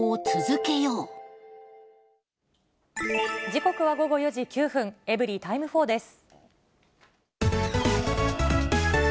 時刻は午後４時９分、エブリィタイム４です。